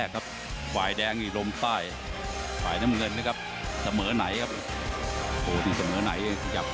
ขวามแน่นด้วย